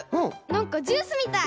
なんかジュースみたい。